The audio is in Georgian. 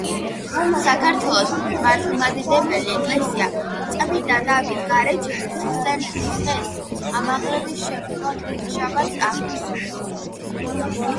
საქართველოს მართლმადიდებელი ეკლესია წმინდა დავით გარეჯელის ხსენების დღეს ამაღლების შემდგომ ხუთშაბათს აღნიშნავს.